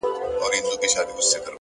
لوړ انسان له نورو نه زده کوي!